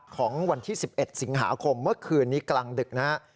ของวันที่๑๑สิงหาคมเมื่อคืนนี้กลางดึกนะครับ